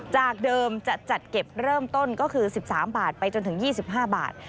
จากเดิมจะจัดเก็บเริ่มต้นก็คือ๑๓บาทไปจนถึง๒๕บาท